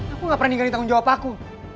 aku gak pernah jadi tanggung jawab aku